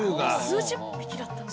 数十匹だったのに。